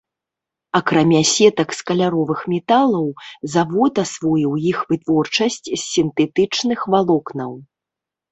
Акрамя сетак з каляровых металаў, завод асвоіў іх вытворчасць з сінтэтычных валокнаў.